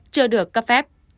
chưa được cấp phép